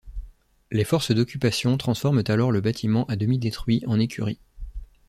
Les forces d’occupation transforment alors le bâtiment à demi détruit en écuries.